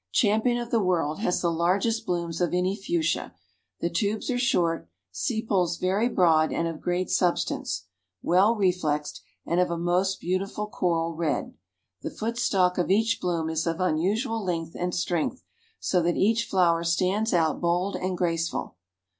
"Champion of the World has the largest blooms of any Fuchsia; the tubes are short; sepals very broad and of great substance, well reflexed, and of a most beautiful coral red; the foot stalk of each bloom is of unusual length and strength, so that each flower stands out bold and graceful.